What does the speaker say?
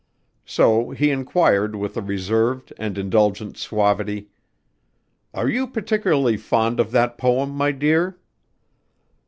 So he inquired with a reserved and indulgent suavity, "Are you particularly fond of that poem, my dear?"